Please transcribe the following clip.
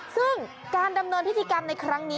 ซึ่งการดำเนินพิธีกรรมในครั้งนี้